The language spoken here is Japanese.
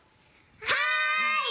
はい！